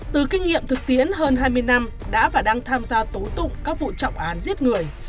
từ kinh nghiệm thực tiễn hơn hai mươi năm đã và đang tham gia tố tụng các vụ trọng án giết người